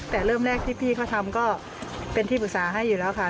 แต่เริ่มแรกที่พี่เขาทำก็เป็นที่ปรึกษาให้อยู่แล้วค่ะ